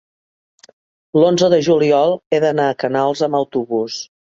L'onze de juliol he d'anar a Canals amb autobús.